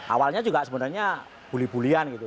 awalnya juga sebenarnya buli bulian gitu